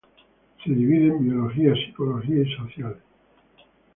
Se divide en Biológica, Psicológica y Social.